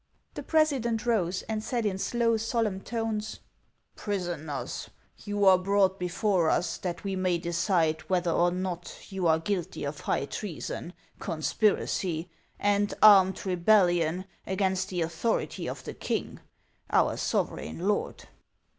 The president rose, and said in slow, solemn tones, " Prisoners, you are brought before us that we may decide whether or not you are guilty of high treason, conspiracy, and armed rebellion against the authority of the king, our sovereign lord.